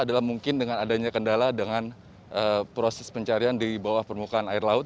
adalah mungkin dengan adanya kendala dengan proses pencarian di bawah permukaan air laut